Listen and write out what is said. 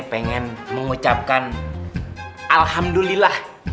sekarang kalian bawa bayi